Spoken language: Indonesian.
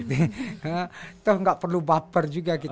itu gak perlu baper juga